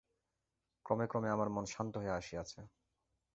ক্রমে ক্রমে আমার মন শান্ত হইয়া আসিয়াছে।